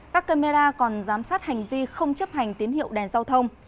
các camera còn giám sát hành vi không chấp hành tín hiệu đèn giao thông